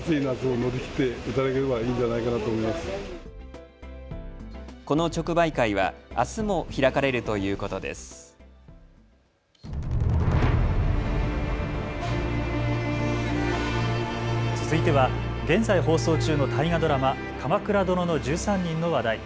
続いては現在放送中の大河ドラマ、鎌倉殿の１３人の話題。